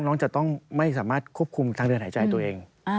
น้องจะต้องไม่สามารถควบคุมทางเดินหายใจตัวเอง